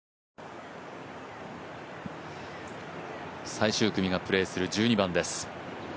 最終組がプレーする１２番です。